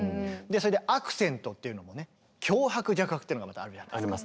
それでアクセントっていうのもね強拍弱拍っていうのがまたあるじゃないですか。